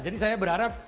jadi saya berharap